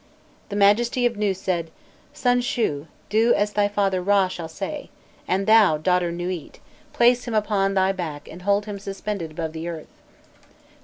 "The Majesty of Nû said: 'Son Shu, do as thy father Râ shall say; and thou, daughter Nûît, place him upon thy back and hold him suspended above the earth!'